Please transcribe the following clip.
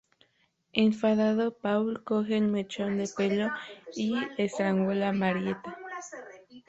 Enfadado, Paul coge el mechón de pelo y estrangula a Marietta.